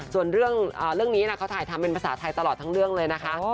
ส่วนเรื่องนี้เขาถ่ายทำเป็นภาษาไทยตลอดทั้งเรื่องเลยนะคะ